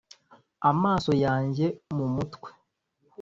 amaso yanjye mu mutwe;